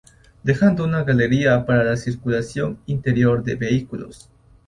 Dejando una galería para circulación interior de vehículos.